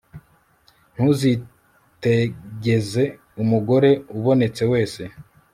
ntuzitegeze umugore ubonetse wese